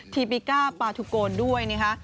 ทีบิก้าปาทูโกนด้วยนะคะ